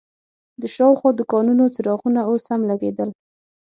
د شاوخوا دوکانونو څراغونه اوس هم لګېدل.